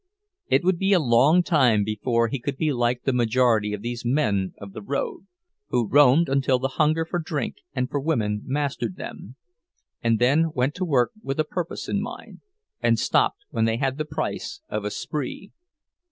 It would be a long time before he could be like the majority of these men of the road, who roamed until the hunger for drink and for women mastered them, and then went to work with a purpose in mind, and stopped when they had the price of a spree.